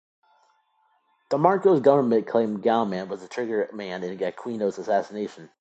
The Marcos government claimed Galman was the trigger man in Aquino's assassination.